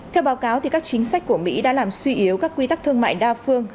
theo báo cáo các chính sách của mỹ đã làm suy yếu các quy tắc thương mại đa phương